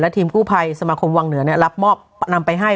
ทีมกู้ภัยสมาคมวังเหนือรับมอบนำไปให้